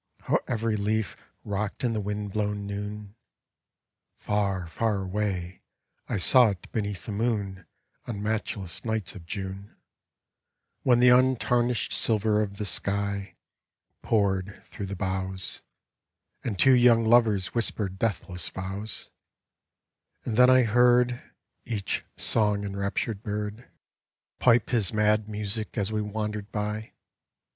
How every leaf rocked in the wind blown noon. Far, far away I saw it beneath the moon On matchless nights of June, When the untarnished silver of the sky Poured through the boughs, And two young lovers whispered deathless vows^ And then I heard Each song enraptured bird AERE PERENNIUS Pipe his mad music as we wandered by.